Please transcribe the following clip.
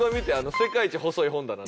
世界一細い本棚な。